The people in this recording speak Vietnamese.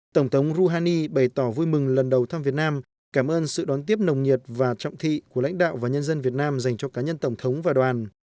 tổng thống rouhani bày tỏ vui mừng lần đầu thăm việt nam cảm ơn sự đón tiếp nồng nhiệt và trọng thị của lãnh đạo và nhân dân việt nam dành cho cá nhân tổng thống và đoàn